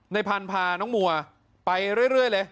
ไนพันพาน้องมัวไปเร่ยเลย